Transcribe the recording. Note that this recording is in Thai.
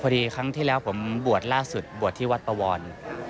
ครั้งที่แล้วผมบวชล่าสุดบวชที่วัดปวร